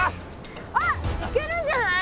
あっいけるんじゃない？